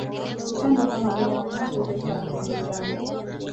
Utando kama vile wa macho kugeuka rangi ya manjano